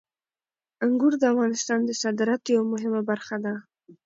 انګور د افغانستان د صادراتو یوه مهمه برخه ده.